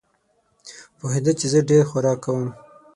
پوهېده چې زه ډېر خوراک کوم.